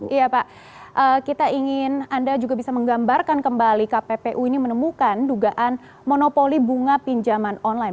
iya pak kita ingin anda juga bisa menggambarkan kembali kppu ini menemukan dugaan monopoli bunga pinjaman online